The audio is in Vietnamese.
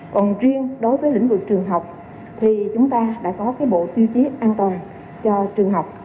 còn riêng đối với lĩnh vực trường học thì chúng ta đã có bộ tiêu chí an toàn cho trường học